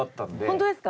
本当ですか？